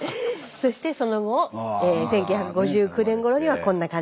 そしてその後１９５９年ごろにはこんな感じ。